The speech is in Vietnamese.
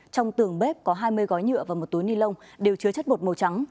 trong tường bếp có hai mươi gói nhựa và một túi ni lông đều chứa chất bột màu trắng